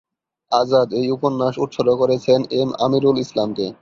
আজাদ এই উপন্যাস উৎসর্গ করেছেন, এম আমীর-উল ইসলামকে।